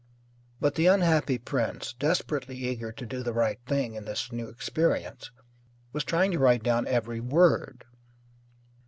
But the unhappy prince, desperately eager to do the right thing in this new experience, was trying to write down every word.